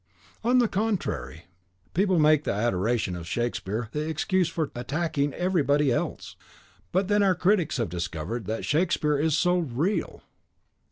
"On the contrary; people make the adoration of Shakespeare the excuse for attacking everybody else. But then our critics have discovered that Shakespeare is so REAL!"